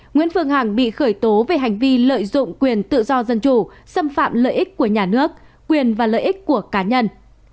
nguyễn phương hằng bị khởi tố về hành vi lợi dụng quyền tự do dân chủ xâm phạm lợi ích của nhà nước quyền và lợi ích của cá nhân